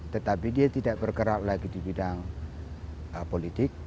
tetapi dia tidak bergerak lagi di bidang politik